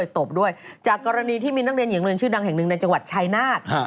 ตบด้วยจากกรณีที่มีนักเรียนหญิงเรียนชื่อดังแห่งหนึ่งในจังหวัดชายนาฏ